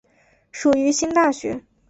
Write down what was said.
属于新大学。